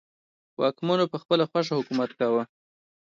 واکمنو په خپله خوښه حکومت کاوه.